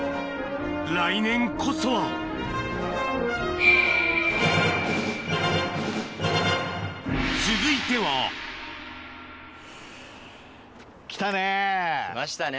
来年こそは続いては来たね。来ましたね。